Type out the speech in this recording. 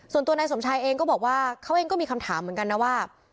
ส่วนตัวนายสมชายเองก็บอกว่าเขาเองก็มีคำถามเหมือนกันนะว่า